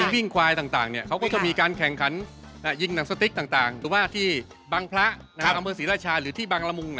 เดี๋ยวคุณตาคนไหน